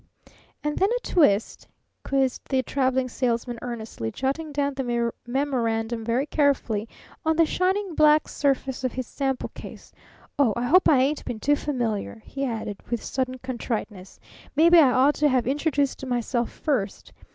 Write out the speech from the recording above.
"And then a twist?" quizzed the Traveling Salesman earnestly, jotting down the memorandum very carefully on the shiny black surface of his sample case. "Oh, I hope I ain't been too familiar," he added, with sudden contriteness. "Maybe I ought to have introduced myself first.